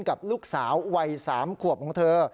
กับลูกสาววัย๓ขวบของเธอ